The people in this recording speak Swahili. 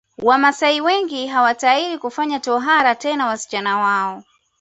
Wamaasai wengi hawatahiri kufanya tohara tena wasichana wao